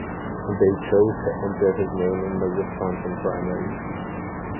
They chose to enter his name in the Wisconsin primary.